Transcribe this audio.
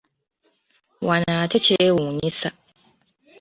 Wano ate kyewuunyisa!